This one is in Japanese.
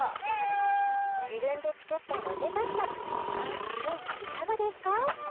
自分で作ったロゼパスタ川西くんいかがですか？